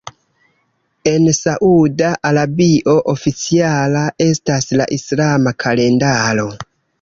En Sauda Arabio oficiala estas la islama kalendaro.